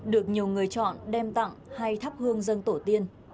được nhiều người chọn đem tặng hay thắp hương dân tổ tiên